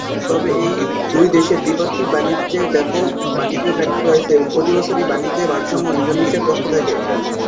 তবে, এই দুই দেশের দ্বিপাক্ষিক বাণিজ্যে ব্যাপক বাণিজ্য ঘাটতি রয়েছে এবং প্রতিবছরই বাণিজ্য ভারসাম্য ইন্দোনেশিয়ার পক্ষে থাকে।